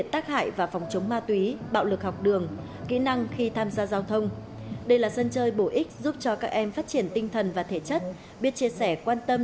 tập trung vào các trường hợp tập trung vào các trường hợp tập trung vào các trường hợp